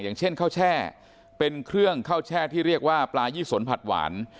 อย่างเช่นข้าวแช่เป็นเครื่องข้าวแช่ที่เรียกว่าปลายี่สนผัดหวาน